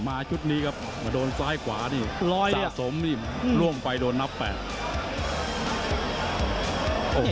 มาชุดนี้ครับมาโดนซ้ายกว่าสะสมล่วงไปโดนนับแปลง